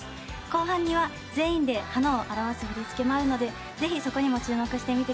後半には全員で花を表す振り付けもあるのでぜひそこにも注目してみてください。